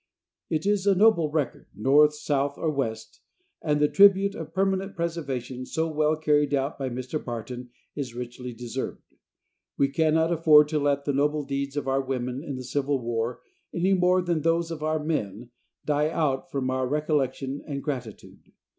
It is a noble record, North, South or West, and the tribute of permanent preservation so well carried out by Mr. Barton is richly deserved. We cannot afford to let the noble deeds of our women in the Civil war, any more than those of our men, die out from our recollection and gratitude.